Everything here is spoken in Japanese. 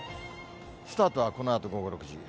スタートはこのあと午後６時。